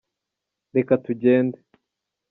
reka tugende.